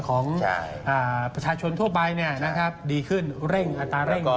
ของประชาชนทั่วไปนะครับดีขึ้นเร่งอัตราเร่งดีขึ้น